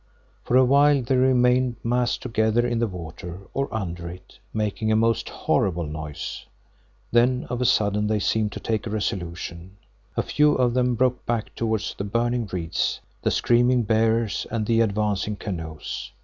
For a while they remained massed together in the water, or under it, making a most horrible noise. Then of a sudden they seemed to take a resolution. A few of them broke back towards the burning reeds, the screaming beaters and the advancing canoes.